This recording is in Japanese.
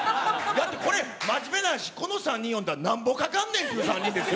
だってこれ、真面目な話、この３人呼んだらなんぼかかんねんっていう３人ですよ。